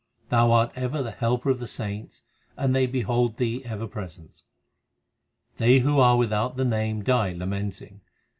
Thou art ever the Helper of the saints, and they behold Thee ever present. They who are without the Name die lamenting.